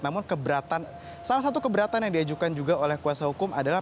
namun salah satu keberatan yang diajukan juga oleh kuasa hukum adalah